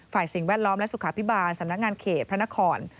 สิ่งแวดล้อมและสุขาพิบาลสำนักงานเขตพระนคร